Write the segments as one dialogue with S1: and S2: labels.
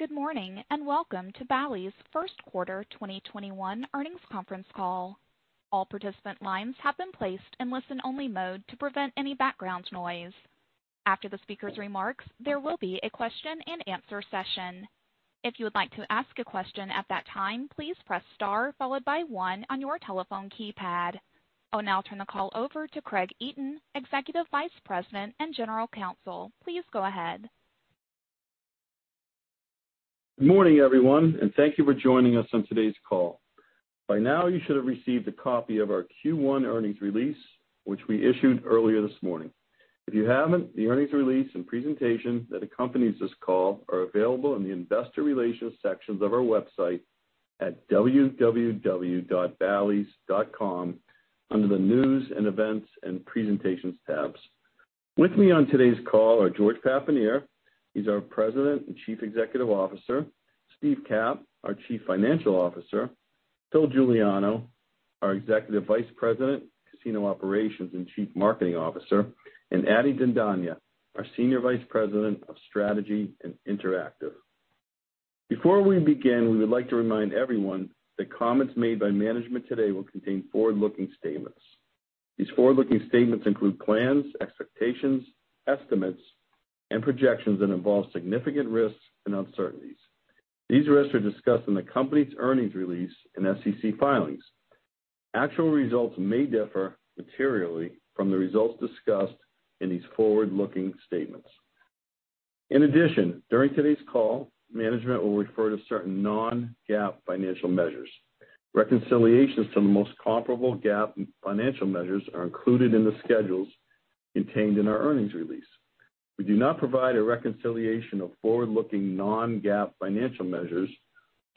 S1: Good morning, and welcome to Bally's first quarter 2021 earnings conference call. All participant lines have been placed in listen-only mode to prevent any background noise. After the speaker's remarks, there will be a question and answer session. If you would like to ask a question at that time, please press star followed by one on your telephone keypad. I'll now turn the call over to Craig Eaton, Executive Vice President and General Counsel. Please go ahead.
S2: Good morning, everyone, and thank you for joining us on today's call. By now, you should have received a copy of our Q1 earnings release, which we issued earlier this morning. If you haven't, the earnings release and presentation that accompanies this call are available in the investor relations sections of our website at www.ballys.com under the News and Events and Presentations tabs. With me on today's call are George Papanier, he's our President and Chief Executive Officer, Steve Capp, our Chief Financial Officer, Phil Juliano, our Executive Vice President, Casino Operations and Chief Marketing Officer, and Adi Dhandhania, our Senior Vice President of Strategy and Interactive. Before we begin, we would like to remind everyone that comments made by management today will contain Forward-looking Statements. These Forward-looking Statements include plans, expectations, estimates, and projections that involve significant risks and uncertainties. These risks are discussed in the company's earnings release and SEC filings. Actual results may differ materially from the results discussed in these Forward-looking Statements. In addition, during today's call, management will refer to certain non-GAAP financial measures. Reconciliations to the most comparable GAAP financial measures are included in the schedules contained in our earnings release. We do not provide a reconciliation of forward-looking non-GAAP financial measures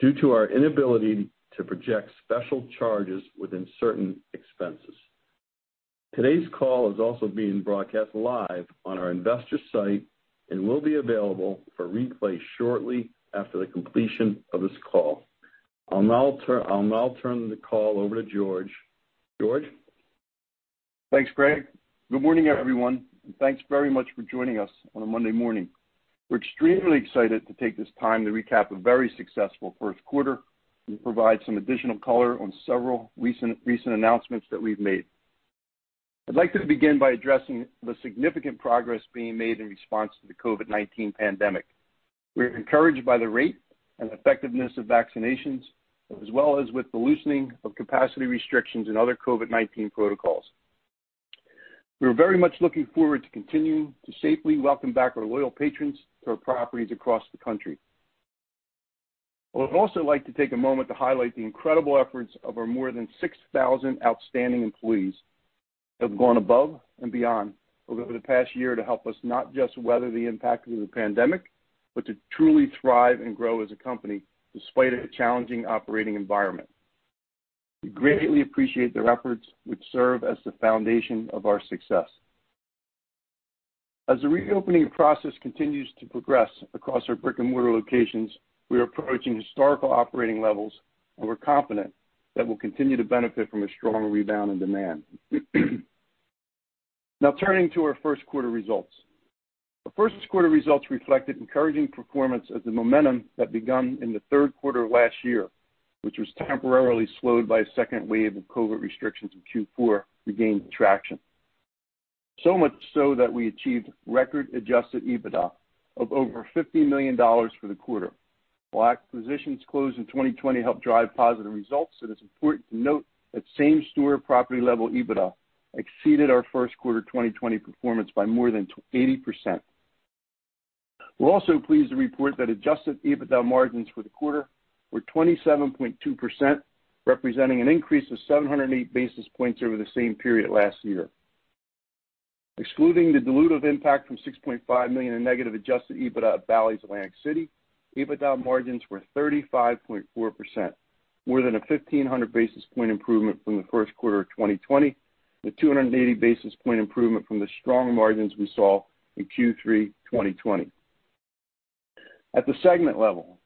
S2: due to our inability to project special charges within certain expenses. Today's call is also being broadcast live on our investor site and will be available for replay shortly after the completion of this call. I'll now turn the call over to George. George?
S3: Thanks, Craig. Good morning, everyone. Thanks very much for joining us on a Monday morning. We're extremely excited to take this time to recap a very successful first quarter and provide some additional color on several recent announcements that we've made. I'd like to begin by addressing the significant progress being made in response to the COVID-19 pandemic. We're encouraged by the rate and effectiveness of vaccinations, as well as with the loosening of capacity restrictions and other COVID-19 protocols. We're very much looking forward to continuing to safely welcome back our loyal patrons to our properties across the country. I would also like to take a moment to highlight the incredible efforts of our more than 6,000 outstanding employees that have gone above and beyond over the past year to help us not just weather the impact of the pandemic, but to truly thrive and grow as a company despite a challenging operating environment. We greatly appreciate their efforts, which serve as the foundation of our success. As the reopening process continues to progress across our brick-and-mortar locations, we are approaching historical operating levels, and we're confident that we'll continue to benefit from a strong rebound in demand. Turning to our first quarter results. The first quarter results reflected encouraging performance of the momentum that began in the third quarter of last year, which was temporarily slowed by a second wave of COVID-19 restrictions in Q4, regaining traction. Much so that we achieved record adjusted EBITDA of over $50 million for the quarter. While acquisitions closed in 2020 help drive positive results, it is important to note that same-store property level EBITDA exceeded our first quarter 2020 performance by more than 80%. We are also pleased to report that adjusted EBITDA margins for the quarter were 27.2%, representing an increase of 708 basis points over the same period last year. Excluding the dilutive impact from $6.5 million in negative adjusted EBITDA at Bally's Atlantic City, EBITDA margins were 35.4%, more than a 1,500 basis point improvement from the first quarter of 2020, with 280 basis point improvement from the strong margins we saw in Q3 2020. At the segment level,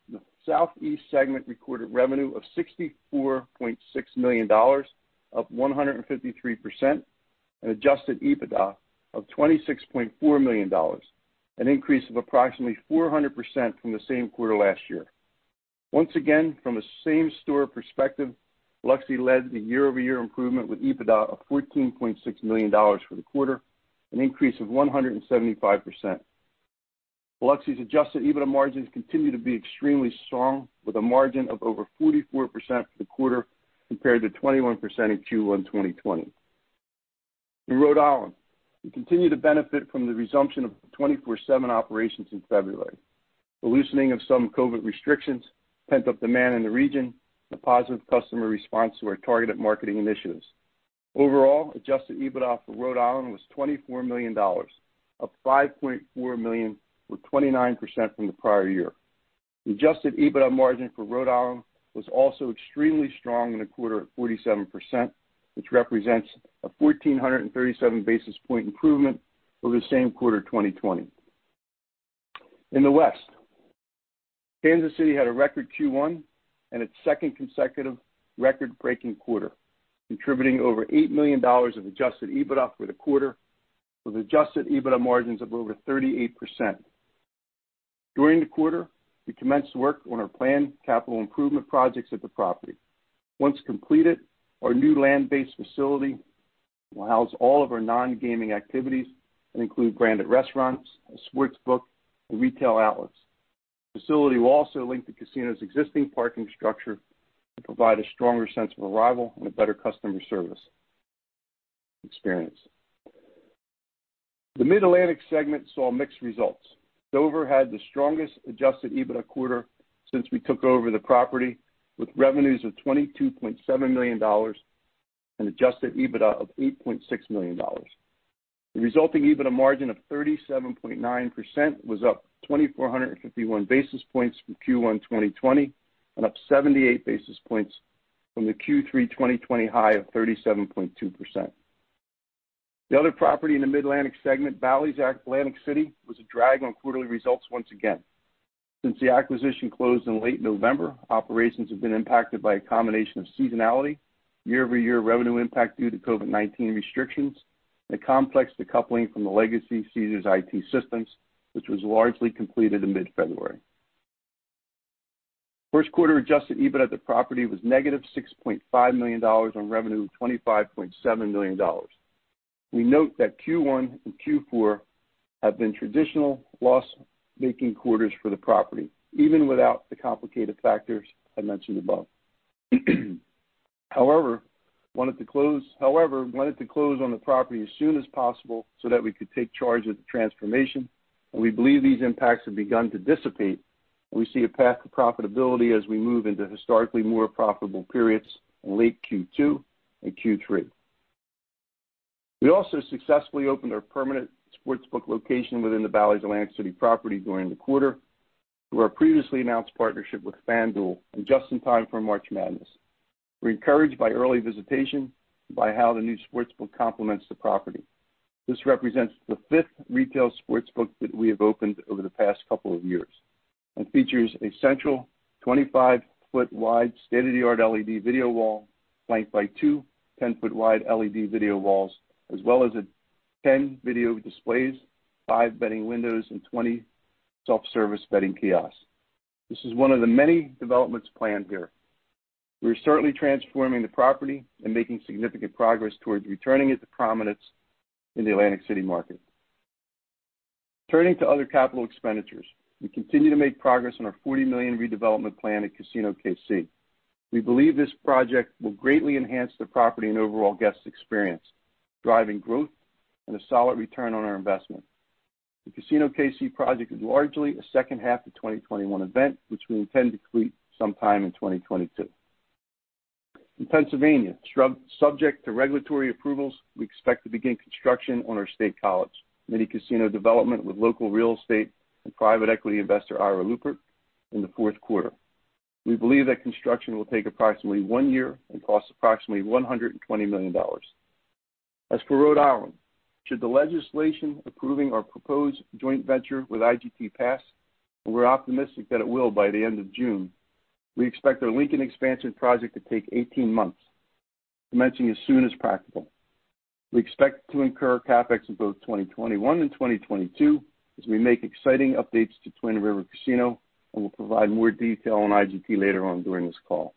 S3: the Southeast segment recorded revenue of $64.6 million, up 153%, and adjusted EBITDA of $26.4 million, an increase of approximately 400% from the same quarter last year. Once again, from a same-store perspective, Biloxi led the year-over-year improvement with EBITDA of $14.6 million for the quarter, an increase of 175%. Biloxi's adjusted EBITDA margins continue to be extremely strong with a margin of over 44% for the quarter, compared to 21% in Q1 2020. In Rhode Island, we continue to benefit from the resumption of 24/7 operations in February. The loosening of some COVID restrictions pent up demand in the region and a positive customer response to our targeted marketing initiatives. Overall, adjusted EBITDA for Rhode Island was $24 million, up $5.4 million, or 29% from the prior year. The adjusted EBITDA margin for Rhode Island was also extremely strong in the quarter at 47%, which represents a 1,437 basis point improvement over the same quarter 2020. In the West, Kansas City had a record Q1 and its second consecutive record-breaking quarter, contributing over $8 million of adjusted EBITDA for the quarter, with adjusted EBITDA margins of over 38%. During the quarter, we commenced work on our planned capital improvement projects at the property. Once completed, our new land-based facility will house all of our non-gaming activities and include branded restaurants, a sports book, and retail outlets. The facility will also link the casino's existing parking structure to provide a stronger sense of arrival and a better customer service experience. The Mid-Atlantic segment saw mixed results. Dover had the strongest adjusted EBITDA quarter since we took over the property, with revenues of $22.7 million and adjusted EBITDA of $8.6 million. The resulting EBITDA margin of 37.9% was up 2,451 basis points from Q1 2020 and up 78 basis points from the Q3 2020 high of 37.2%. The other property in the Mid-Atlantic segment, Bally's Atlantic City, was a drag on quarterly results once again. Since the acquisition closed in late November, operations have been impacted by a combination of seasonality, year-over-year revenue impact due to COVID-19 restrictions, and complex decoupling from the legacy Caesars IT systems, which was largely completed in mid-February. First quarter adjusted EBITDA at the property was negative $6.5 million on revenue of $25.7 million. We note that Q1 and Q4 have been traditional loss-making quarters for the property, even without the complicated factors I mentioned above. However, wanted to close on the property as soon as possible so that we could take charge of the transformation, and we believe these impacts have begun to dissipate. We see a path to profitability as we move into historically more profitable periods in late Q2 and Q3. We also successfully opened our permanent sports book location within the Bally's Atlantic City property during the quarter, through our previously announced partnership with FanDuel and just in time for March Madness. We're encouraged by early visitation and by how the new sports book complements the property. This represents the fifth retail sports book that we have opened over the past couple of years and features a central 25-foot wide state-of-the-art LED video wall, flanked by two 10-foot wide LED video walls, as well as 10 video displays, five betting windows, and 20 self-service betting kiosks. This is one of the many developments planned here. We are certainly transforming the property and making significant progress towards returning it to prominence in the Atlantic City market. Turning to other capital expenditures, we continue to make progress on our $40 million redevelopment plan at Casino KC. We believe this project will greatly enhance the property and overall guest experience, driving growth and a solid return on our investment. The Casino KC project is largely a second half of 2021 event, which we intend to complete sometime in 2022. In Pennsylvania, subject to regulatory approvals, we expect to begin construction on our State College mini-casino development with local real estate and private equity investor Ira Lubert in the fourth quarter. We believe that construction will take approximately one year and cost approximately $120 million. As for Rhode Island, should the legislation approving our proposed joint venture with IGT pass, and we're optimistic that it will by the end of June, we expect our Lincoln expansion project to take 18 months, commencing as soon as practical. We expect to incur CapEx in both 2021 and 2022 as we make exciting updates to Twin River Casino, and we'll provide more detail on IGT later on during this call.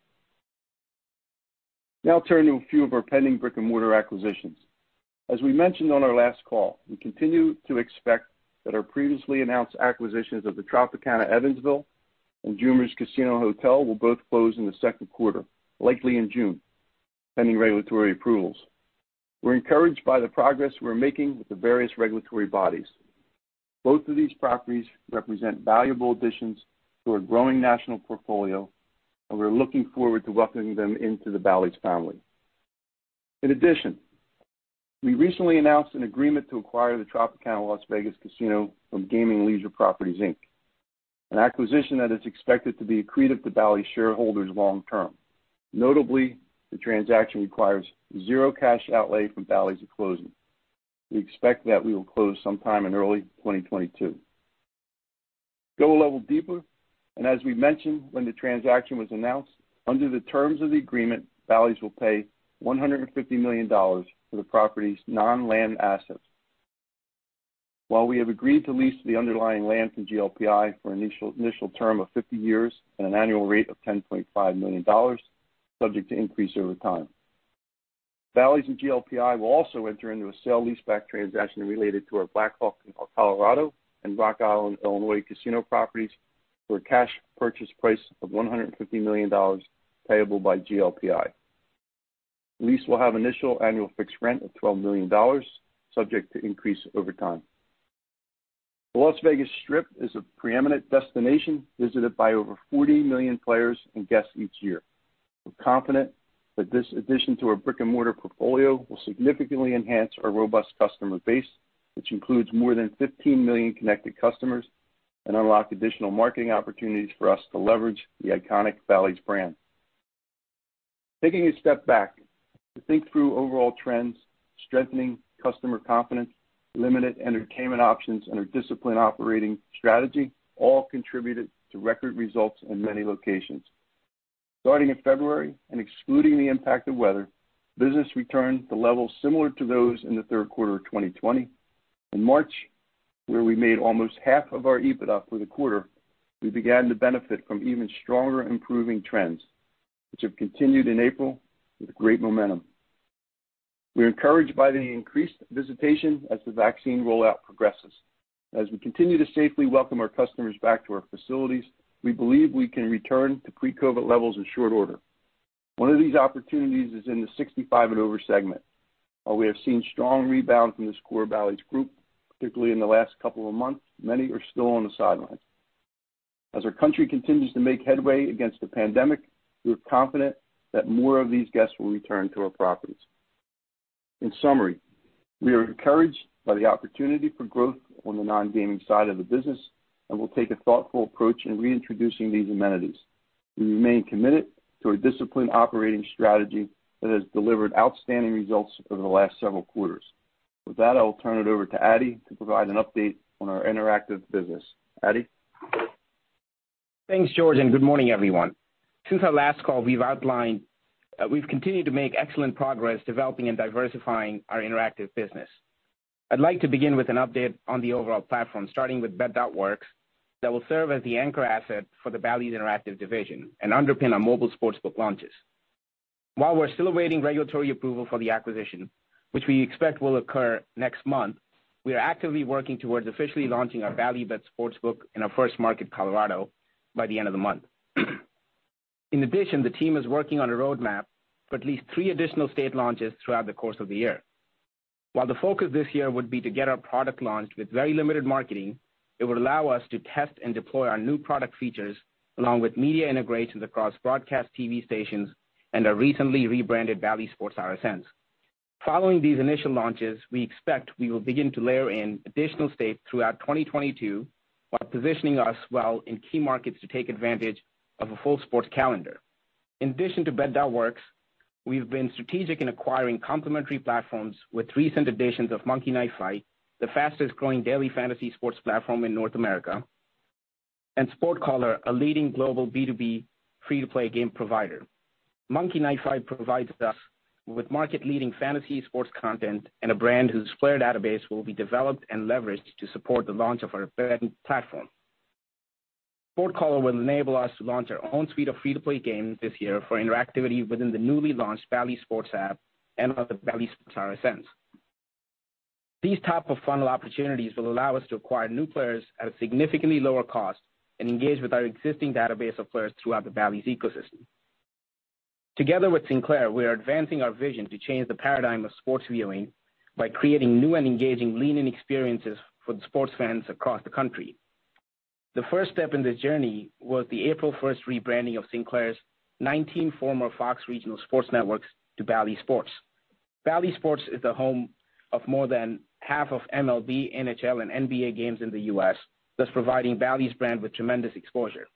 S3: Now turning to a few of our pending brick-and-mortar acquisitions. As we mentioned on our last call, we continue to expect that our previously announced acquisitions of the Tropicana Evansville and Jumer's Casino & Hotel will both close in the second quarter, likely in June, pending regulatory approvals. We're encouraged by the progress we're making with the various regulatory bodies. Both of these properties represent valuable additions to our growing national portfolio, and we're looking forward to welcoming them into the Bally's family. In addition, we recently announced an agreement to acquire the Tropicana Las Vegas from Gaming and Leisure Properties, Inc., an acquisition that is expected to be accretive to Bally's shareholders long term. Notably, the transaction requires zero cash outlay from Bally's at closing. We expect that we will close sometime in early 2022. To go a level deeper, and as we mentioned when the transaction was announced, under the terms of the agreement, Bally's will pay $150 million for the property's non-land assets. While we have agreed to lease the underlying land from GLPI for an initial term of 50 years at an annual rate of $10.5 million, subject to increase over time. Bally's and GLPI will also enter into a sale leaseback transaction related to our Black Hawk, Colorado, and Rock Island, Illinois, casino properties for a cash purchase price of $150 million, payable by GLPI. The lease will have initial annual fixed rent of $12 million, subject to increase over time. The Las Vegas Strip is a preeminent destination visited by over 40 million players and guests each year. We're confident that this addition to our brick-and-mortar portfolio will significantly enhance our robust customer base, which includes more than 15 million connected customers, and unlock additional marketing opportunities for us to leverage the iconic Bally's brand. Taking a step back to think through overall trends, strengthening customer confidence, limited entertainment options, and our disciplined operating strategy all contributed to record results in many locations. Starting in February and excluding the impact of weather, business returned to levels similar to those in the third quarter of 2020. In March, where we made almost half of our EBITDA for the quarter, we began to benefit from even stronger improving trends, which have continued in April with great momentum. We're encouraged by the increased visitation as the vaccine rollout progresses. As we continue to safely welcome our customers back to our facilities, we believe we can return to pre-COVID levels in short order. One of these opportunities is in the 65 and over segment. While we have seen strong rebound from this core Bally's group, particularly in the last couple of months, many are still on the sidelines. As our country continues to make headway against the pandemic, we're confident that more of these guests will return to our properties. In summary, we are encouraged by the opportunity for growth on the non-gaming side of the business and will take a thoughtful approach in reintroducing these amenities. We remain committed to a disciplined operating strategy that has delivered outstanding results over the last several quarters. With that, I'll turn it over to Adi to provide an update on our interactive business. Adi?
S4: Thanks, George. Good morning, everyone. Since our last call, we've continued to make excellent progress developing and diversifying our interactive business. I'd like to begin with an update on the overall platform, starting with Bet.Works, that will serve as the anchor asset for the Bally's Interactive division and underpin our mobile sportsbook launches. While we're still awaiting regulatory approval for the acquisition, which we expect will occur next month, we are actively working towards officially launching our Bally Bet sportsbook in our first market, Colorado, by the end of the month. The team is working on a roadmap for at least three additional state launches throughout the course of the year. While the focus this year would be to get our product launched with very limited marketing, it would allow us to test and deploy our new product features along with media integrations across Broadcast TV stations and our recently rebranded Bally Sports RSNs. Following these initial launches, we expect we will begin to layer in additional states throughout 2022 while positioning us well in key markets to take advantage of a full sports calendar. In addition to Bet.Works, we've been strategic in acquiring complementary platforms with recent additions of Monkey Knife Fight, the fastest-growing daily fantasy sports platform in North America, and SportCaller, a leading global B2B free-to-play game provider. Monkey Knife Fight provides us with market-leading fantasy sports content and a brand whose player database will be developed and leveraged to support the launch of our betting platform. SportCaller will enable us to launch our own suite of free-to-play games this year for interactivity within the newly launched Bally Sports app and on the Bally Sports RSNs. These type of funnel opportunities will allow us to acquire new players at a significantly lower cost and engage with our existing database of players throughout the Bally's ecosystem. Together with Sinclair, we are advancing our vision to change the paradigm of sports viewing by creating new and engaging lean-in experiences for the sports fans across the country. The first step in this journey was the April 1st rebranding of Sinclair's 19 former Fox regional sports networks to Bally Sports. Bally Sports is the home of more than half of MLB, NHL, and NBA games in the U.S., thus providing Bally's brand with tremendous exposure.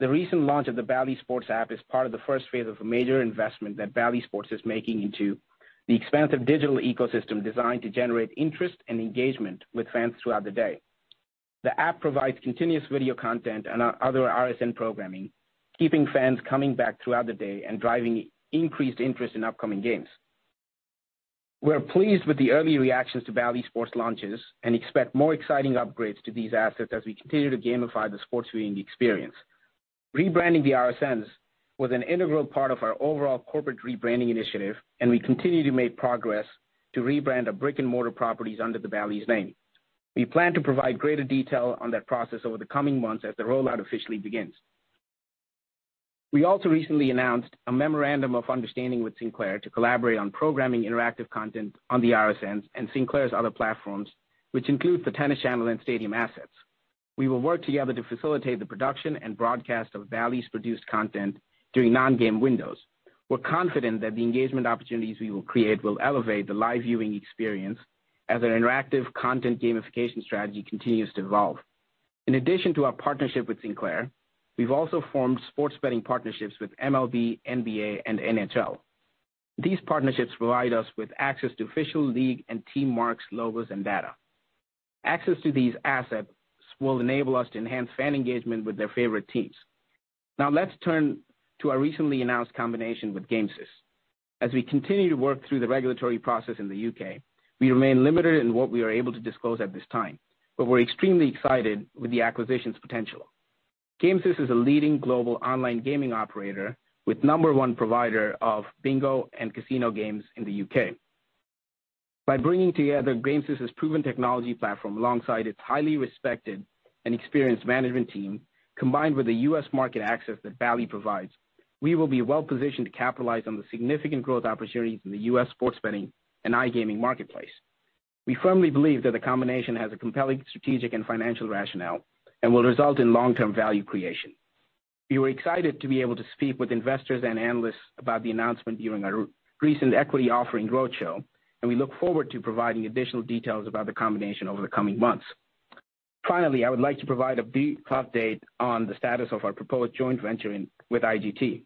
S4: The recent launch of the Bally Sports app is part of the first phase of a major investment that Bally Sports is making into the expansive digital ecosystem designed to generate interest and engagement with fans throughout the day. The app provides continuous video content and our other RSN programming, keeping fans coming back throughout the day and driving increased interest in upcoming games. We're pleased with the early reactions to Bally Sports launches and expect more exciting upgrades to these assets as we continue to gamify the sports viewing experience. Rebranding the RSNs was an integral part of our overall corporate rebranding initiative, and we continue to make progress to rebrand our brick-and-mortar properties under the Bally's name. We plan to provide greater detail on that process over the coming months as the rollout officially begins. We also recently announced a memorandum of understanding with Sinclair to collaborate on programming interactive content on the RSNs and Sinclair's other platforms, which include the Tennis Channel and Stadium assets. We will work together to facilitate the production and broadcast of Bally's produced content during non-game windows. We're confident that the engagement opportunities we will create will elevate the live viewing experience as our interactive content gamification strategy continues to evolve. In addition to our partnership with Sinclair, we've also formed sports betting partnerships with MLB, NBA, and NHL. These partnerships provide us with access to official league and team marks, logos, and data. Access to these assets will enable us to enhance fan engagement with their favorite teams. Now let's turn to our recently announced combination with Gamesys. As we continue to work through the regulatory process in the U.K., we remain limited in what we are able to disclose at this time, but we're extremely excited with the acquisition's potential. Gamesys is a leading global online gaming operator with number one provider of bingo and casino games in the U.K. By bringing together Gamesys' proven technology platform alongside its highly respected and experienced management team, combined with the U.S. market access that Bally's provides, we will be well-positioned to capitalize on the significant growth opportunities in the U.S. sports betting and iGaming marketplace. We firmly believe that the combination has a compelling strategic and financial rationale and will result in long-term value creation. We were excited to be able to speak with investors and analysts about the announcement during our recent equity offering roadshow, and we look forward to providing additional details about the combination over the coming months. Finally, I would like to provide a brief update on the status of our proposed joint venturing with IGT.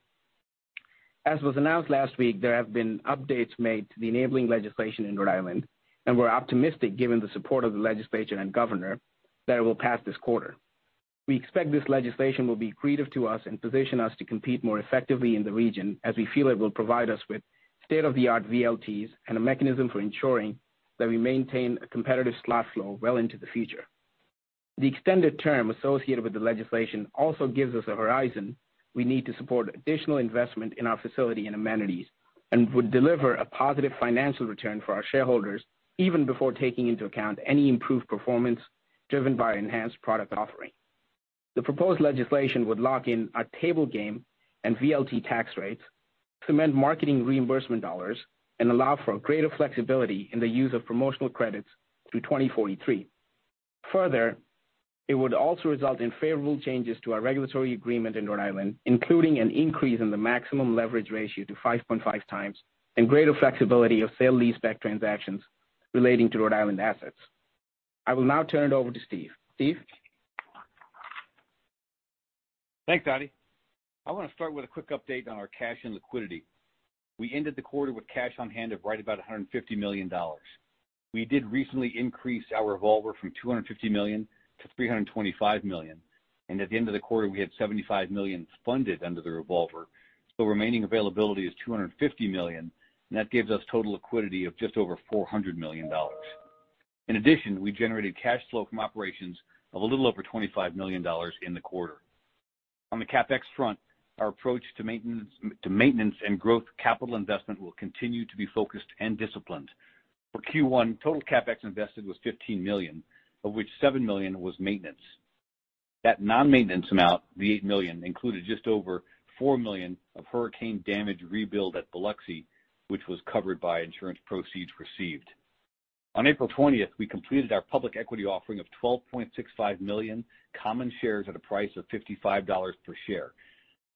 S4: As was announced last week, there have been updates made to the enabling legislation in Rhode Island, and we're optimistic, given the support of the legislature and governor, that it will pass this quarter. We expect this legislation will be accretive to us and position us to compete more effectively in the region, as we feel it will provide us with state-of-the-art VLTs and a mechanism for ensuring that we maintain a competitive slot floor well into the future. The extended term associated with the legislation also gives us a horizon we need to support additional investment in our facility and amenities, and would deliver a positive financial return for our shareholders even before taking into account any improved performance driven by enhanced product offering. The proposed legislation would lock in our table game and VLT tax rates, cement marketing reimbursement dollars, and allow for greater flexibility in the use of promotional credits through 2043. It would also result in favorable changes to our regulatory agreement in Rhode Island, including an increase in the maximum leverage ratio to 5.5 times and greater flexibility of sale lease back transactions relating to Rhode Island assets. I will now turn it over to Steve. Steve?
S5: Thanks, Adi. I want to start with a quick update on our cash and liquidity. We ended the quarter with cash on hand of right about $150 million. We did recently increase our revolver from $250 million to $325 million, and at the end of the quarter, we had $75 million funded under the revolver. Remaining availability is $250 million, and that gives us total liquidity of just over $400 million. In addition, we generated cash flow from operations of a little over $25 million in the quarter. On the CapEx front, our approach to maintenance and growth capital investment will continue to be focused and disciplined. For Q1, total CapEx invested was $15 million, of which $7 million was maintenance. That non-maintenance amount, the $8 million, included just over $4 million of hurricane damage rebuild at Biloxi, which was covered by insurance proceeds received. On April 20th, we completed our public equity offering of 12.65 million common shares at a price of $55 per share.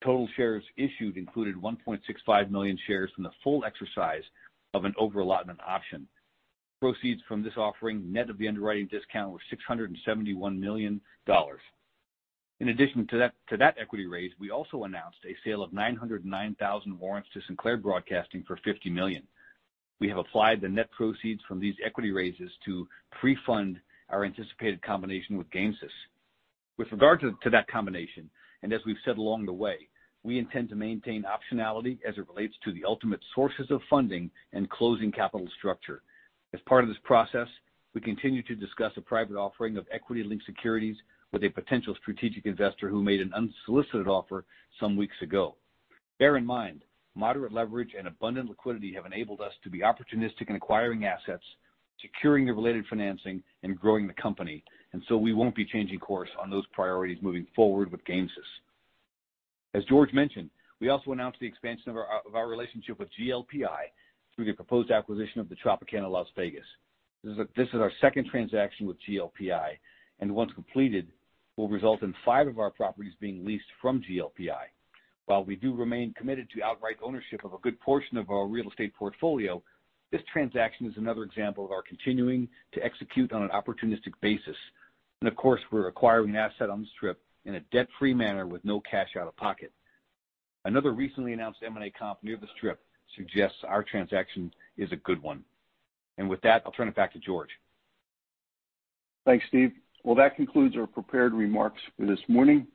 S5: Total shares issued included 1.65 million shares from the full exercise of an over-allotment option. Proceeds from this offering, net of the underwriting discount, were $671 million. In addition to that equity raise, we also announced a sale of 909,000 warrants to Sinclair Broadcast Group for $50 million. We have applied the net proceeds from these equity raises to pre-fund our anticipated combination with Gamesys. With regard to that combination, and as we've said along the way, we intend to maintain optionality as it relates to the ultimate sources of funding and closing capital structure. As part of this process, we continue to discuss a private offering of equity linked securities with a potential strategic investor who made an unsolicited offer some weeks ago. Bear in mind, moderate leverage and abundant liquidity have enabled us to be opportunistic in acquiring assets, securing the related financing, and growing the company. We won't be changing course on those priorities moving forward with Gamesys. As George mentioned, we also announced the expansion of our relationship with GLPI through the proposed acquisition of the Tropicana Las Vegas. This is our second transaction with GLPI, and once completed, will result in five of our properties being leased from GLPI. While we do remain committed to outright ownership of a good portion of our real estate portfolio, this transaction is another example of our continuing to execute on an opportunistic basis. Of course, we're acquiring an asset on the Strip in a debt-free manner with no cash out of pocket. Another recently announced M&A comp near the Strip suggests our transaction is a good one. With that, I'll turn it back to George.
S3: Thanks, Steve. Well, that concludes our prepared remarks for this morning.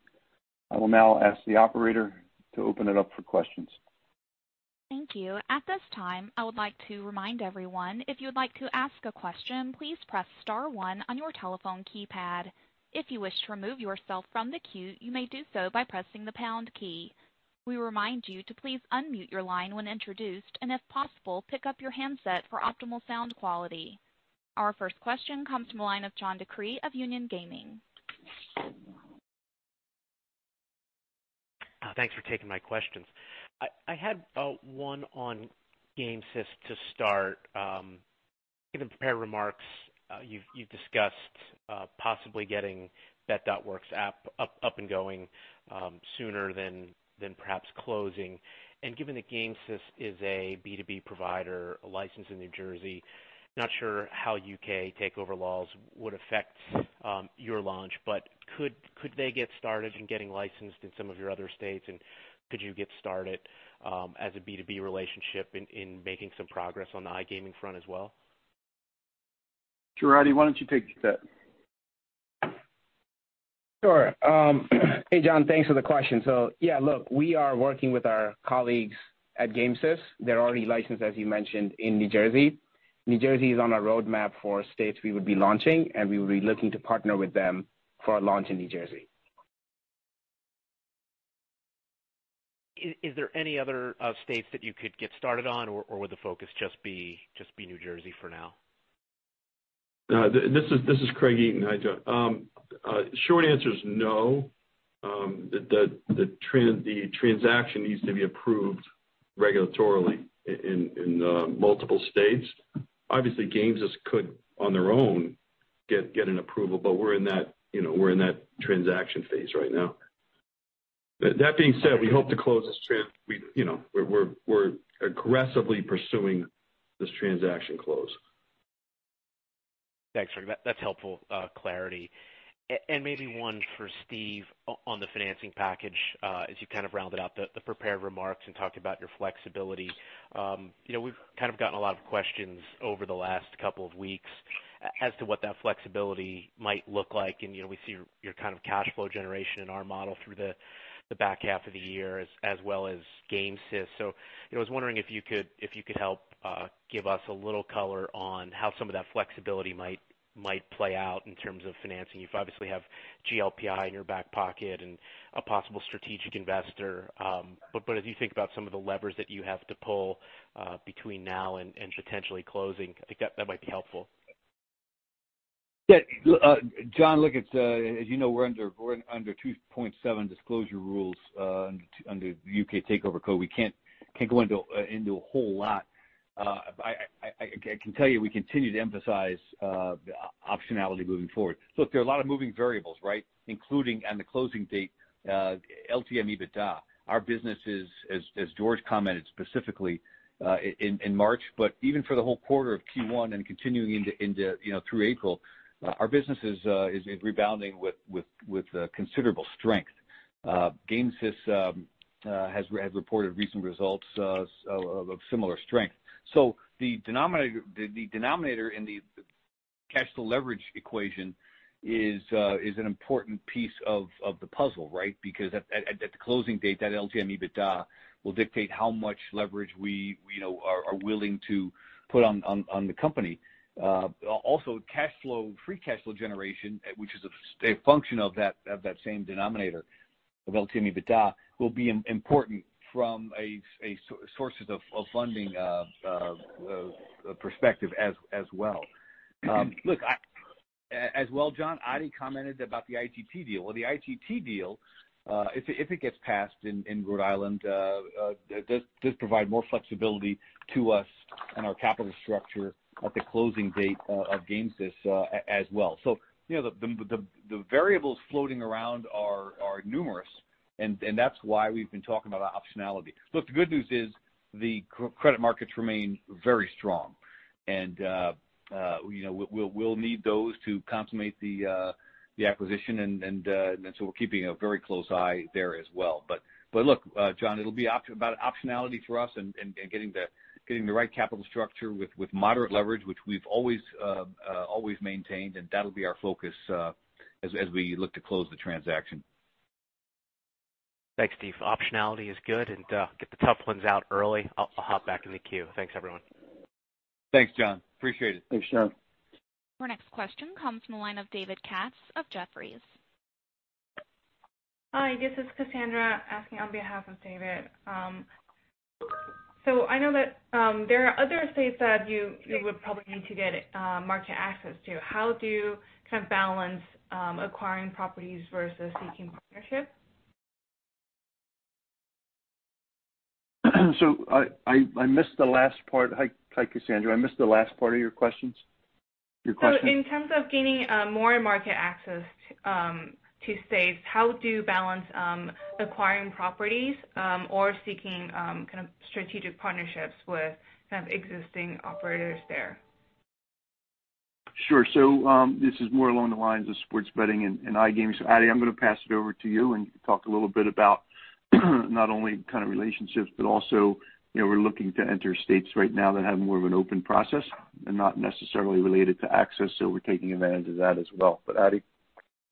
S3: I will now ask the operator to open it up for questions.
S1: Our first question comes from the line of John DeCree of Union Gaming.
S6: Thanks for taking my questions. I had one on Gamesys to start. In the prepared remarks, you've discussed possibly getting Bet.Works app up and going sooner than perhaps closing. Given that Gamesys is a B2B provider licensed in New Jersey, not sure how U.K. takeover laws would affect your launch, but could they get started in getting licensed in some of your other states, and could you get started as a B2B relationship in making some progress on the iGaming front as well?
S3: Sure, Adi, why don't you take that?
S4: Sure. Hey, John, thanks for the question. Yeah, look, we are working with our colleagues at Gamesys. They're already licensed, as you mentioned, in New Jersey. New Jersey is on our roadmap for states we would be launching, and we would be looking to partner with them for a launch in New Jersey.
S6: Is there any other states that you could get started on, or would the focus just be New Jersey for now?
S2: This is Craig Eaton. Hi, John. Short answer is no. The transaction needs to be approved regulatorily in multiple states. Obviously, Gamesys could, on their own, get an approval, but we're in that transaction phase right now. That being said, we're aggressively pursuing this transaction close.
S6: Thanks, George. That's helpful clarity. Maybe one for Steve on the financing package, as you kind of rounded out the prepared remarks and talked about your flexibility. We've kind of gotten a lot of questions over the last couple of weeks as to what that flexibility might look like, and we see your kind of cash flow generation in our model through the back half of the year as well as Gamesys. I was wondering if you could help give us a little color on how some of that flexibility might play out in terms of financing. You obviously have GLPI in your back pocket and a possible strategic investor. As you think about some of the levers that you have to pull between now and potentially closing, I think that might be helpful.
S5: John, as you know, we're under 2.7 disclosure rules under the UK Takeover Code. We can't go into a whole lot. I can tell you, we continue to emphasize optionality moving forward. There are a lot of moving variables, right? Including on the closing date, LTM EBITDA. Our business is, as George commented specifically, in March, but even for the whole quarter of Q1 and continuing through April, our business is rebounding with considerable strength. Gamesys has reported recent results of similar strength. The denominator in the cash to leverage equation is an important piece of the puzzle, right? At the closing date, that LTM EBITDA will dictate how much leverage we are willing to put on the company. Free cash flow generation, which is a function of that same denominator of LTM EBITDA, will be important from a sources of funding perspective as well. As well, John, Adi commented about the IGT deal. The IGT deal, if it gets passed in Rhode Island, does provide more flexibility to us and our capital structure at the closing date of Gamesys as well. The variables floating around are numerous, and that's why we've been talking about optionality. The good news is the credit markets remain very strong. We'll need those to consummate the acquisition. We're keeping a very close eye there as well. John, it'll be about optionality for us and getting the right capital structure with moderate leverage, which we've always maintained, and that'll be our focus as we look to close the transaction.
S6: Thanks, Steve. Optionality is good, and get the tough ones out early. I'll hop back in the queue. Thanks, everyone.
S5: Thanks, John. Appreciate it.
S3: Thanks, John.
S1: Our next question comes from the line of David Katz of Jefferies.
S7: Hi, this is Cassandra asking on behalf of David. I know that there are other states that you would probably need to get market access to. How do you kind of balance acquiring properties versus seeking partnerships?
S3: I missed the last part. Hi, Cassandra. I missed the last part of your questions, your question.
S7: In terms of gaining more market access to states, how do you balance acquiring properties or seeking kind of strategic partnerships with kind of existing operators there?
S3: Sure. This is more along the lines of sports betting and iGaming. Adi, I'm going to pass it over to you, and you can talk a little bit about not only kind of relationships, but also we're looking to enter states right now that have more of an open process and not necessarily related to access. We're taking advantage of that as well. Adi,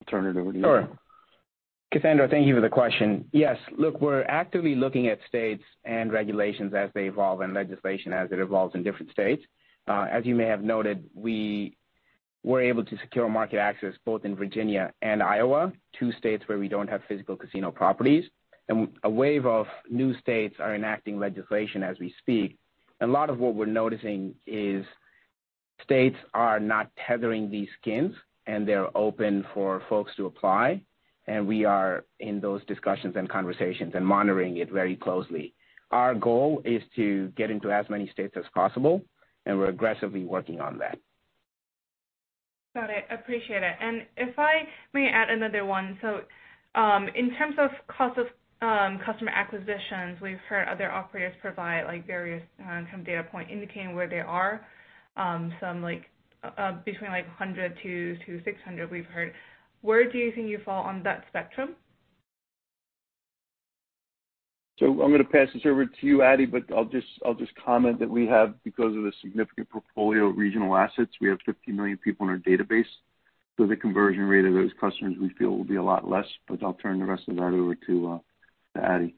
S3: I'll turn it over to you.
S4: Sure. Cassandra, thank you for the question. Look, we're actively looking at states and regulations as they evolve, and legislation as it evolves in different states. As you may have noted, we were able to secure market access both in Virginia and Iowa, two states where we don't have physical casino properties. A wave of new states are enacting legislation as we speak. A lot of what we're noticing is states are not tethering these skins, and they're open for folks to apply, and we are in those discussions and conversations and monitoring it very closely. Our goal is to get into as many states as possible, and we're aggressively working on that.
S7: Got it. Appreciate it. If I may add another one. In terms of cost of customer acquisitions, we've heard other operators provide various kind of data point indicating where they are. Some between $100-$600, we've heard. Where do you think you fall on that spectrum?
S3: I'm going to pass this over to you, Adi, but I'll just comment that we have, because of the significant portfolio of regional assets, we have 50 million people in our database. The conversion rate of those customers we feel will be a lot less. I'll turn the rest of that over to Adi.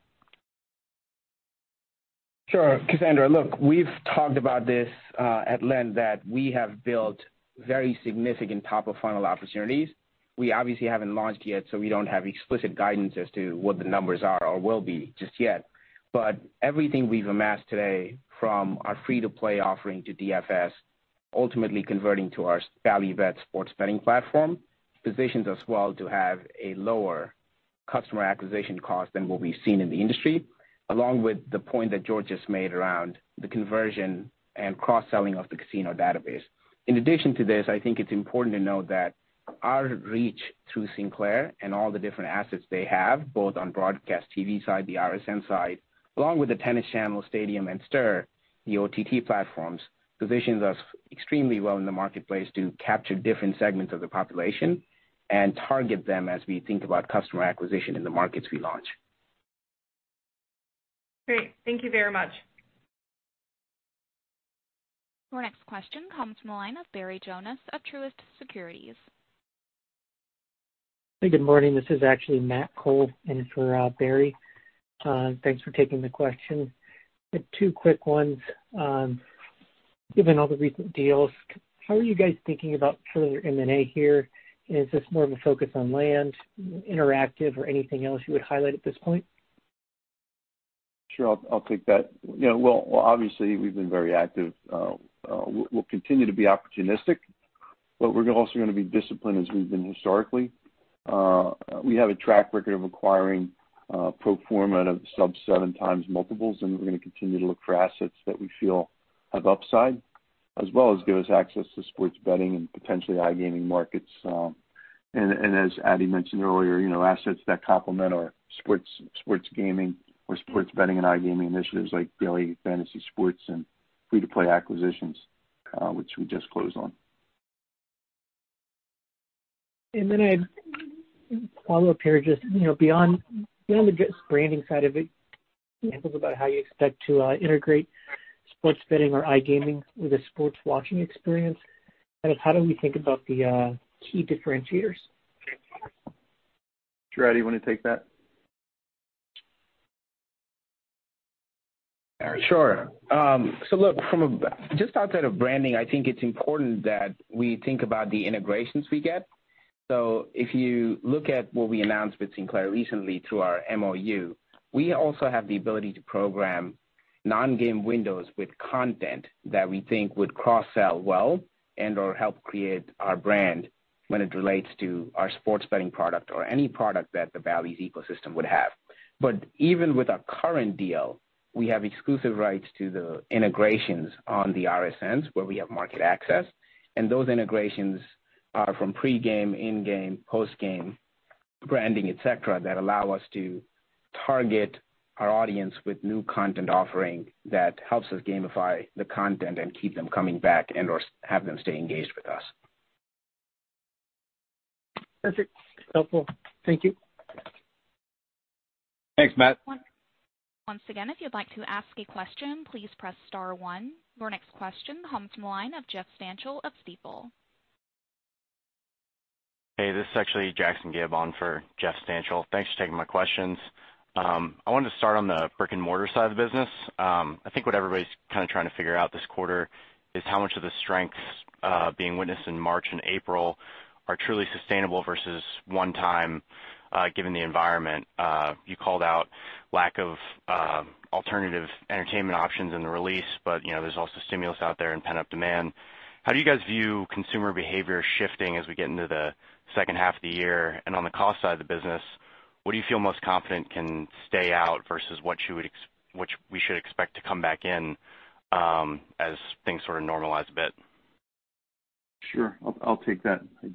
S4: Sure. Cassandra, look, we've talked about this at length, that we have built very significant top-of-funnel opportunities. We obviously haven't launched yet, so we don't have explicit guidance as to what the numbers are or will be just yet. Everything we've amassed today, from our free-to-play offering to DFS, ultimately converting to our Bally Bet sports betting platform, positions us well to have a lower customer acquisition cost than what we've seen in the industry. Along with the point that George just made around the conversion and cross-selling of the casino database. In addition to this, I think it's important to note that our reach through Sinclair and all the different assets they have, both on broadcast TV side, the RSN side, along with the Tennis Channel, Stadium and Stirr, the OTT platforms, positions us extremely well in the marketplace to capture different segments of the population and target them as we think about customer acquisition in the markets we launch.
S7: Great. Thank you very much.
S1: Your next question comes from the line of Barry Jonas of Truist Securities.
S8: Hey, good morning. This is actually Matt Cole in for Barry. Thanks for taking the question. I have two quick ones. Given all the recent deals, how are you guys thinking about further M&A here? Is this more of a focus on land, interactive, or anything else you would highlight at this point?
S3: Sure. I'll take that. Well, obviously, we've been very active. We'll continue to be opportunistic, but we're also going to be disciplined as we've been historically. We have a track record of acquiring pro forma out of sub seven times multiples, and we're going to continue to look for assets that we feel have upside, as well as give us access to sports betting and potentially iGaming markets. As Adi mentioned earlier, assets that complement our sports gaming or sports betting and iGaming initiatives like daily fantasy sports and free-to-play acquisitions, which we just closed on.
S8: Then a follow-up here, just beyond the just branding side of it, can you talk about how you expect to integrate sports betting or iGaming with a sports watching experience? How do we think about the key differentiators?
S3: Adi, do you want to take that?
S4: Sure. Look, just outside of branding, I think it's important that we think about the integrations we get. If you look at what we announced with Sinclair recently through our MOU, we also have the ability to program non-game windows with content that we think would cross-sell well and/or help create our brand when it relates to our sports betting product or any product that the Bally's ecosystem would have. Even with our current deal, we have exclusive rights to the integrations on the RSNs where we have market access, and those integrations are from pre-game, in-game, post-game, branding, et cetera, that allow us to target our audience with new content offering that helps us gamify the content and keep them coming back and/or have them stay engaged with us.
S8: That's it. Helpful. Thank you.
S3: Thanks, Matt.
S1: Once again, if you'd like to ask a question, please press star one. Your next question comes from the line of Jeffrey Stantial of Stifel.
S9: Hey, this is actually Jackson Gibb on for Jeffrey Stantial. Thanks for taking my questions. I wanted to start on the brick and mortar side of the business. I think what everybody's kind of trying to figure out this quarter is how much of the strengths being witnessed in March and April are truly sustainable versus one time given the environment. You called out lack of alternative entertainment options in the release, but there's also stimulus out there and pent-up demand. How do you guys view consumer behavior shifting as we get into the second half of the year? On the cost side of the business, what do you feel most confident can stay out versus what we should expect to come back in as things sort of normalize a bit?
S3: Sure. I'll take that. Hey,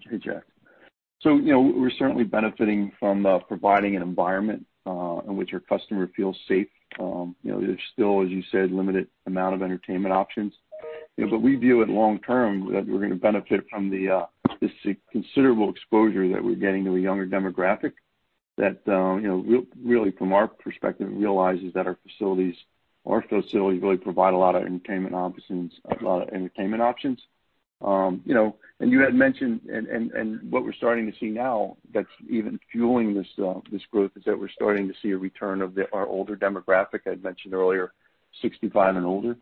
S3: Jack. We're certainly benefiting from providing an environment in which our customer feels safe. There's still, as you said, limited amount of entertainment options. We view it long term that we're going to benefit from this considerable exposure that we're getting to a younger demographic that, really from our perspective, realizes that our facilities really provide a lot of entertainment options. You had mentioned, and what we're starting to see now that's even fueling this growth is that we're starting to see a return of our older demographic I'd mentioned earlier, 65 and older.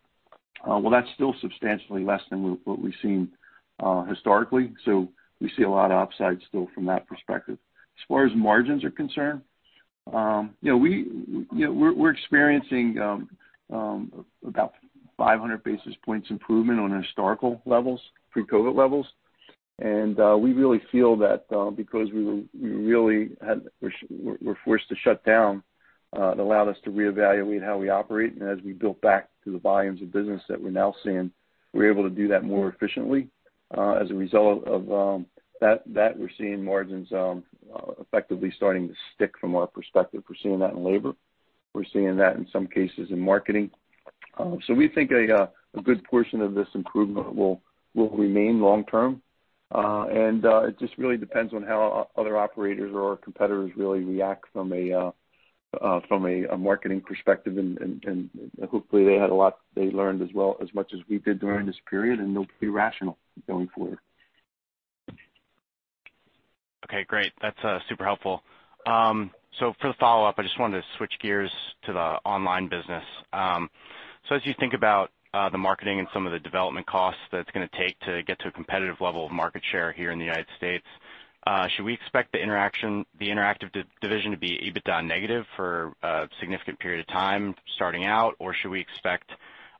S3: Well, that's still substantially less than what we've seen historically. We see a lot of upside still from that perspective. As far as margins are concerned, we're experiencing about 500 basis points improvement on historical levels, pre-COVID levels. We really feel that because we really were forced to shut down, it allowed us to reevaluate how we operate. As we built back to the volumes of business that we're now seeing, we're able to do that more efficiently. As a result of that, we're seeing margins effectively starting to stick from our perspective. We're seeing that in labor. We're seeing that in some cases in marketing. We think a good portion of this improvement will remain long term. It just really depends on how other operators or competitors really react from a marketing perspective. Hopefully they had a lot they learned as well, as much as we did during this period, and they'll be rational going forward.
S9: Okay, great. That's super helpful. For the follow-up, I just wanted to switch gears to the online business. As you think about the marketing and some of the development costs that it's going to take to get to a competitive level of market share here in the U.S., should we expect Bally's Interactive division to be EBITDA negative for a significant period of time starting out? Or should we expect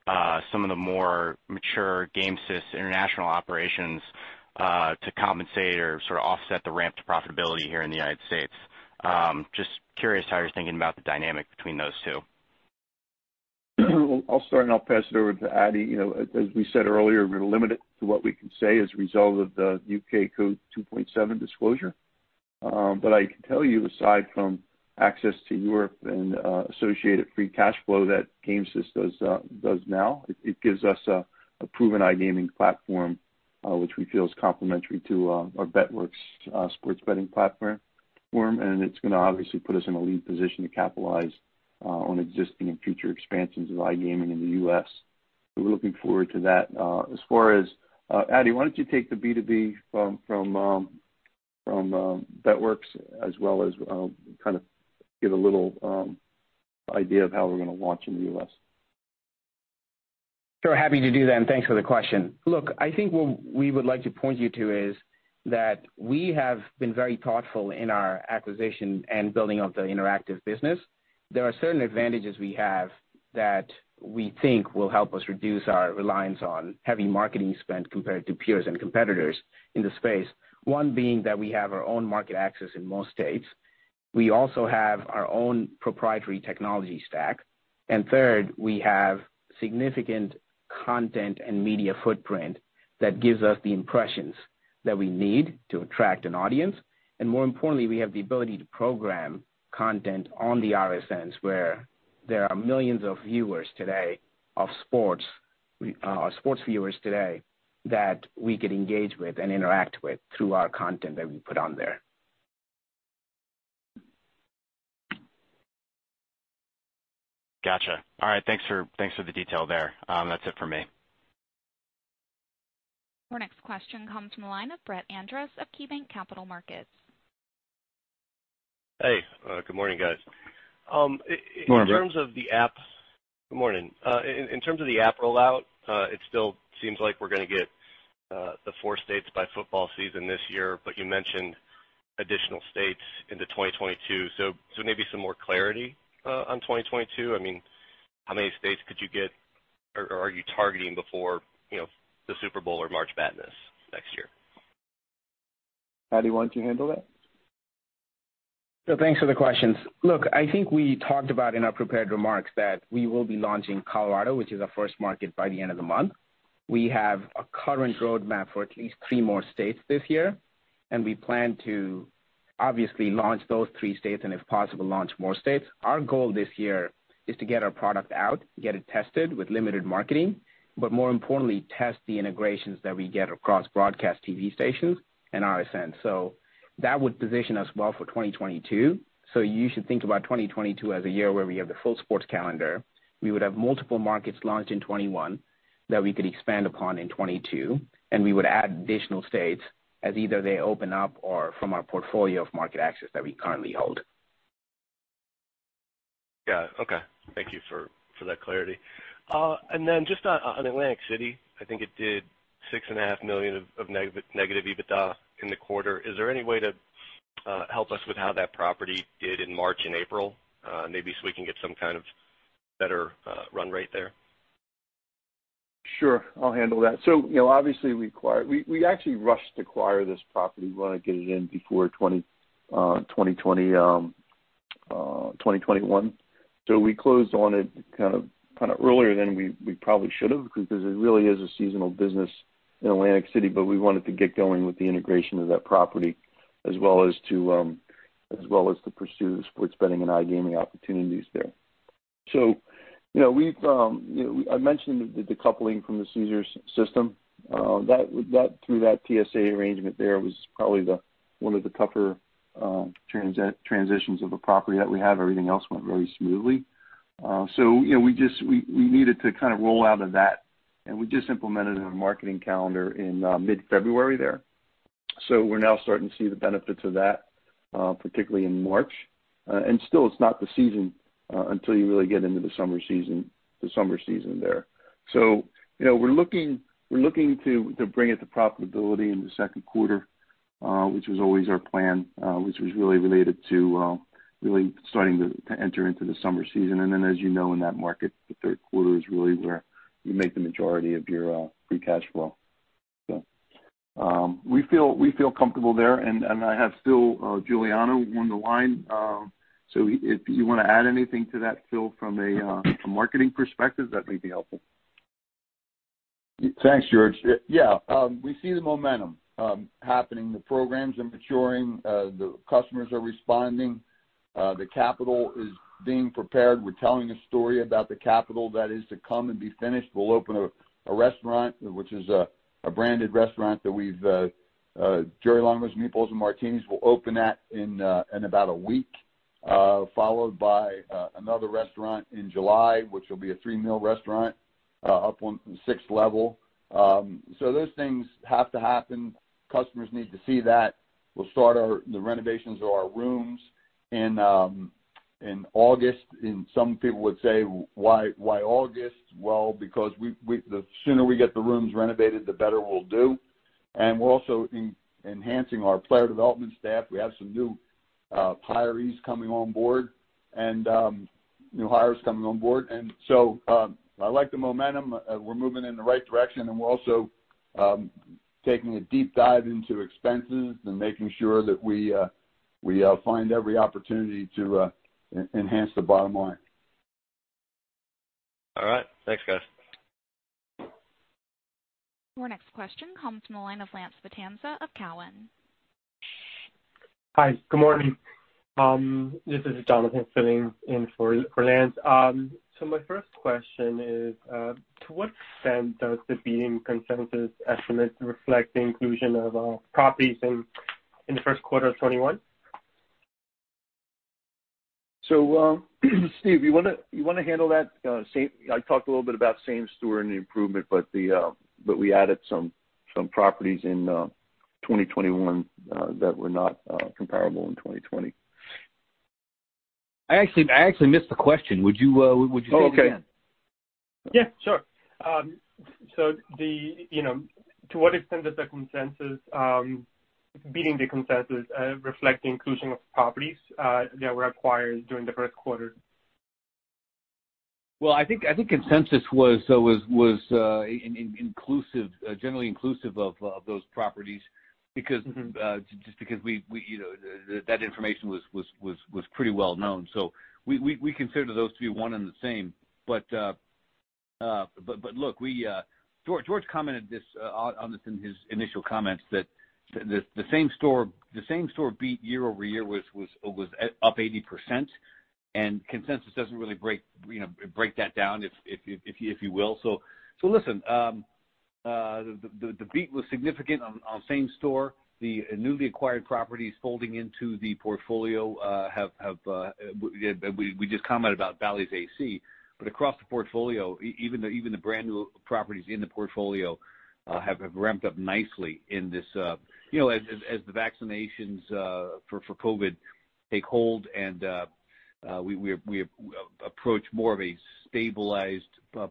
S9: some of the more mature Gamesys international operations to compensate or sort of offset the ramp to profitability here in the United States. Just curious how you're thinking about the dynamic between those two.
S3: I'll start. I'll pass it over to Adi. As we said earlier, we're limited to what we can say as a result of the U.K. Code 2.7 disclosure. I can tell you, aside from access to Europe and associated free cash flow that Gamesys does now, it gives us a proven iGaming platform, which we feel is complementary to our Bet.Works sports betting platform. It's going to obviously put us in a lead position to capitalize on existing and future expansions of iGaming in the U.S. We're looking forward to that. Adi, why don't you take the B2B from Bet.Works as well as kind of give a little idea of how we're going to launch in the U.S.
S4: Sure. Happy to do that. Thanks for the question. Look, I think what we would like to point you to is that we have been very thoughtful in our acquisition and building of the Interactive business. There are certain advantages we have that we think will help us reduce our reliance on heavy marketing spend compared to peers and competitors in the space. One being that we have our own market access in most states. We also have our own proprietary technology stack. Third, we have significant content and media footprint that gives us the impressions that we need to attract an audience. More importantly, we have the ability to program content on the RSNs where there are millions of sports viewers today that we could engage with and interact with through our content that we put on there.
S9: Got you. All right. Thanks for the detail there. That's it for me.
S1: Our next question comes from the line of Brett Andress of KeyBanc Capital Markets.
S10: Hey, good morning, guys.
S3: Good morning, Brett.
S10: Good morning. In terms of the app rollout, it still seems like we're going to get the four states by football season this year, but you mentioned additional states into 2022. Maybe some more clarity on 2022. How many states could you get, or are you targeting before the Super Bowl or March Madness next year?
S3: Adi, do you want to handle that?
S4: Thanks for the questions. I think we talked about in our prepared remarks that we will be launching Colorado, which is our first market, by the end of the month. We have a current roadmap for at least three more states this year. We plan to obviously launch those three states and if possible, launch more states. Our goal this year is to get our product out, get it tested with limited marketing, more importantly, test the integrations that we get across Broadcast TV stations and RSNs. That would position us well for 2022. You should think about 2022 as a year where we have the full sports calendar. We would have multiple markets launched in 2021 that we could expand upon in 2022. We would add additional states as either they open up or from our portfolio of market access that we currently hold.
S10: Got it. Okay. Thank you for that clarity. Just on Atlantic City, I think it did six and a half million of negative EBITDA in the quarter. Is there any way to help us with how that property did in March and April? Maybe so we can get some kind of better run rate there.
S3: Sure. I'll handle that. Obviously, we actually rushed to acquire this property. We wanted to get it in before 2021. We closed on it kind of earlier than we probably should have because it really is a seasonal business in Atlantic City, but we wanted to get going with the integration of that property as well as to pursue the sports betting and iGaming opportunities there. I mentioned the decoupling from the Caesars system. Through that TSA arrangement there was probably one of the tougher transitions of a property that we have. Everything else went very smoothly. We needed to kind of roll out of that, and we just implemented a marketing calendar in mid-February there. We're now starting to see the benefits of that, particularly in March. Still, it's not the season until you really get into the summer season there. We're looking to bring it to profitability in the second quarter, which was always our plan, which was really related to really starting to enter into the summer season. As you know, in that market, the third quarter is really where you make the majority of your free cash flow. We feel comfortable there, and I have Phil Juliano on the line. If you want to add anything to that, Phil, from a marketing perspective, that may be helpful.
S11: Thanks, George. Yeah. We see the momentum happening. The programs are maturing. The customers are responding. The capital is being prepared. We're telling a story about the capital that is to come and be finished. We'll open a restaurant, which is a branded restaurant, Jerry Longo's Meatballs & Martinis. We'll open that in about a week, followed by another restaurant in July, which will be a three-meal restaurant up on the 6th level. Those things have to happen. Customers need to see that. We'll start the renovations of our rooms in August, and some people would say, "Why August?" Well, because the sooner we get the rooms renovated, the better we'll do. We're also enhancing our player development staff. We have some new hires coming on board. I like the momentum. We're moving in the right direction, and we're also taking a deep dive into expenses and making sure that we find every opportunity to enhance the bottom line.
S10: All right. Thanks, guys.
S1: Your next question comes from the line of Lance Vitanza of Cowen.
S12: Hi, good morning. This is Jonathan filling in for Lance. My first question is, to what extent does the beating consensus estimate reflect the inclusion of properties in the first quarter of 2021?
S3: Steve, you want to handle that? I talked a little bit about same-store and the improvement, but we added some properties in 2021 that were not comparable in 2020.
S5: I actually missed the question. Would you say it again?
S12: Oh, okay. Yeah, sure. To what extent does beating the consensus reflect the inclusion of properties that were acquired during the first quarter?
S5: I think consensus was generally inclusive of those properties just because that information was pretty well known. We consider those to be one and the same. Look, George commented on this in his initial comments, that the same-store beat year-over-year was up 80%, and consensus doesn't really break that down, if you will. Listen, the beat was significant on same-store. The newly acquired properties folding into the portfolio. We just commented about Bally's A/C, but across the portfolio, even the brand-new properties in the portfolio have ramped up nicely in this. As the vaccinations for COVID-19 take hold and we approach more of a stabilized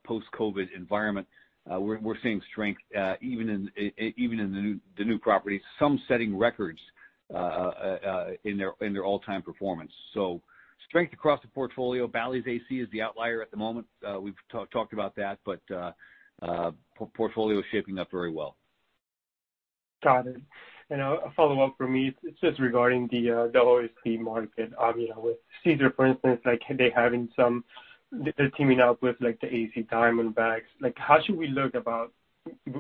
S5: post-COVID-19 environment, we're seeing strength even in the new properties, some setting records in their all-time performance. Strength across the portfolio. Bally's A/C is the outlier at the moment. We've talked about that, but portfolio is shaping up very well.
S12: Got it. A follow-up from me. It's just regarding the OSB market. With Caesars, for instance, they're teaming up with the Arizona Diamondbacks. How should we look about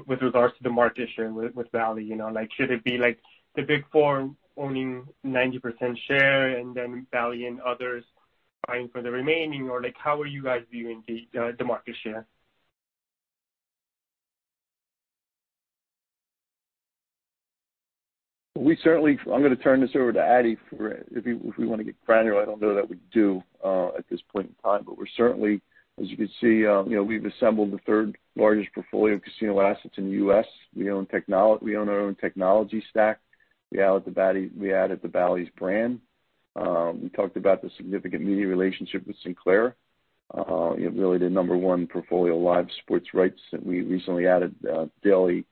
S12: with regards to the market share with Bally's? Should it be the Big Four owning 90% share and then Bally's and others vying for the remaining? How are you guys viewing the market share?
S3: I'm going to turn this over to Adi if we want to get granular. I don't know that we do at this point in time. We're certainly, as you can see, we've assembled the third largest portfolio of casino assets in the U.S. We own our own technology stack. We added the Bally's brand. We talked about the significant media relationship with Sinclair, really the number one portfolio of live sports rights that we recently added, daily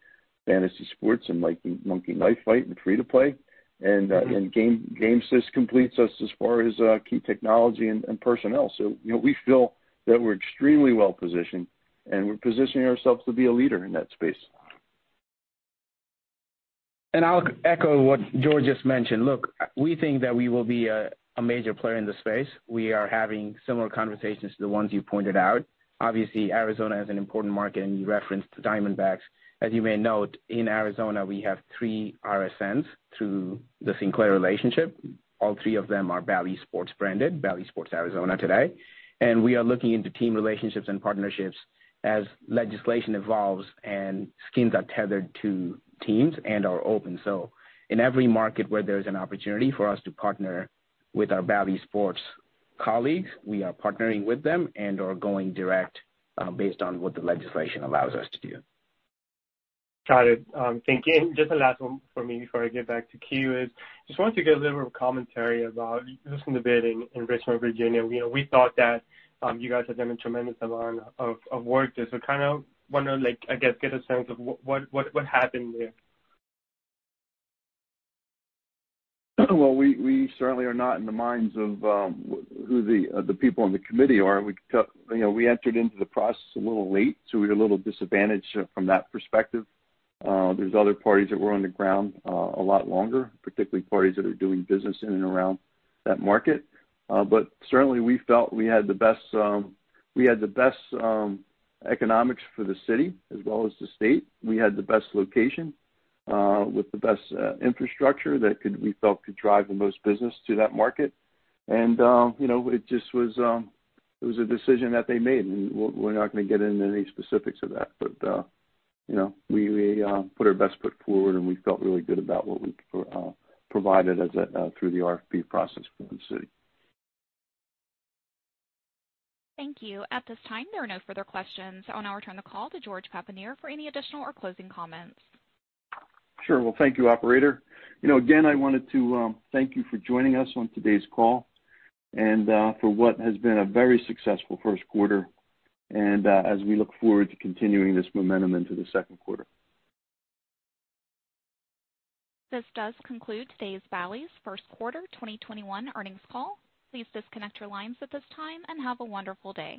S3: fantasy sports and Monkey Knife Fight and free to play. Gamesys completes us as far as key technology and personnel. We feel that we're extremely well-positioned, and we're positioning ourselves to be a leader in that space.
S4: I'll echo what George just mentioned. Look, we think that we will be a major player in the space. We are having similar conversations to the ones you pointed out. Obviously, Arizona is an important market, and you referenced the Diamondbacks. As you may note, in Arizona, we have three RSNs through the Sinclair relationship. All three of them are Bally Sports branded, Bally Sports Arizona today. We are looking into team relationships and partnerships as legislation evolves and skins are tethered to teams and are open. In every market where there's an opportunity for us to partner with our Bally Sports colleagues, we are partnering with them and are going direct based on what the legislation allows us to do.
S12: Got it. Thank you. Just a last one from me before I get back to queue is, just wanted to get a little commentary about losing the bid in Richmond, Virginia. We thought that you guys had done a tremendous amount of work there. Kind of want to, I guess, get a sense of what happened there.
S3: Well, we certainly are not in the minds of who the people on the committee are. We entered into the process a little late, so we're a little disadvantaged from that perspective. There's other parties that were on the ground a lot longer, particularly parties that are doing business in and around that market. Certainly, we felt we had the best economics for the city as well as the state. We had the best location with the best infrastructure that we felt could drive the most business to that market. It was a decision that they made, and we're not going to get into any specifics of that. We put our best foot forward, and we felt really good about what we provided through the RFP process for the city.
S1: Thank you. At this time, there are no further questions. I'll now return the call to George Papanier for any additional or closing comments.
S3: Sure. Well, thank you, operator. Again, I wanted to thank you for joining us on today's call and for what has been a very successful first quarter, and as we look forward to continuing this momentum into the second quarter.
S1: This does conclude today's Bally's first quarter 2021 earnings call. Please disconnect your lines at this time, and have a wonderful day.